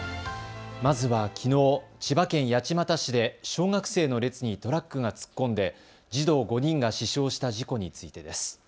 まずはきのう、千葉県八街市で小学生の列にトラックが突っ込んで児童５人が死傷した事故についてです。